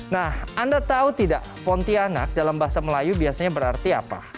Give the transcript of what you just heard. nah anda tahu tidak pontianak dalam bahasa melayu biasanya berarti apa